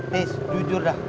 nih jujur dah